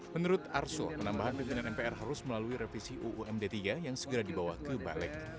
menurut arso penambahan pimpinan mpr harus melalui revisi uumd tiga yang segera dibawa ke balek